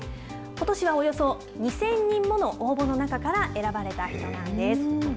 ことしはおよそ２０００人もの応募の中から選ばれたそうなんです。